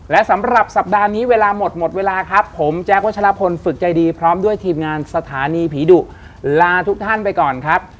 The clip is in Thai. และสำหรับสัปดาห์นี้เวลาหมดหมดเวลาครับผมแจ๊ควัชลพลฝึกใจดีพร้อมด้วยทีมงานสถานีผีดุลาทุกท่านไปก่อนครับ